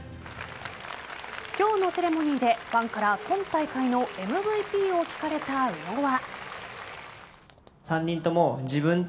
今日のセレモニーでファンから今大会のＭＶＰを聞かれた宇野は。